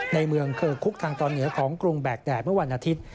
ในเมืองเคอร์คุกทางตอนเหนือของกรุงแบกแดดเมื่อวันอาทิตย์